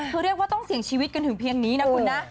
คือเรียกว่าต้องเสี่ยงชีวิตกันถึงเพียงนี้นะคุณนะ